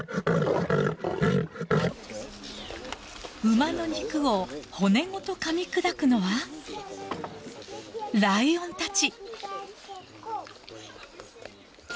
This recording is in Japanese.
馬の肉を骨ごとかみ砕くのはライオンたち。